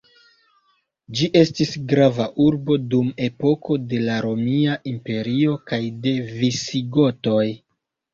Ĝi estis grava urbo dum epoko de la Romia Imperio kaj de visigotoj.